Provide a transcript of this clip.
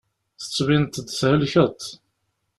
Tettbineḍ-d thelkeḍ.